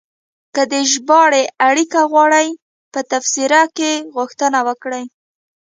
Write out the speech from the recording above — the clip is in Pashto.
که د ژباړې اړیکه غواړئ، په تبصره کې غوښتنه وکړئ.